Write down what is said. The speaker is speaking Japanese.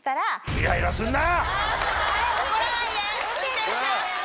イライラするな。